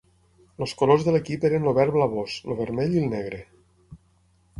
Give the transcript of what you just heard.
Els colors de l'equip eren el verb blavós, el vermell i el negre.